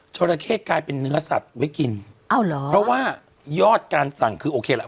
ราเข้กลายเป็นเนื้อสัตว์ไว้กินอ้าวเหรอเพราะว่ายอดการสั่งคือโอเคละ